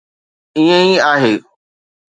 ائين ئي آهي.